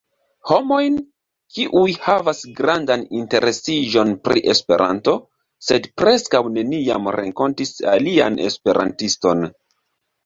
Homojn, kiuj havas grandan interesiĝon pri Esperanto, sed preskaŭ neniam renkontis alian esperantiston.